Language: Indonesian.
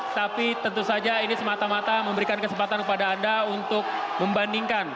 tapi tentu saja ini semata mata memberikan kesempatan kepada anda untuk membandingkan